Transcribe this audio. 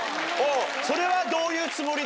それは「どういうつもり？」